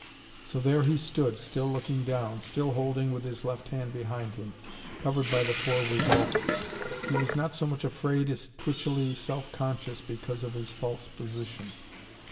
So there he stood, still looking down, still holding with his left hand behind him, covered by the four revolvers. He was not so much afraid as twitchily self conscious because of his false position.